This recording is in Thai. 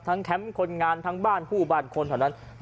แคมป์คนงานทั้งบ้านผู้บ้านคนเท่านั้น